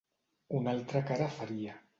Una altra cara faria.